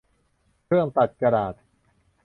เครื่องตัดกระดาษ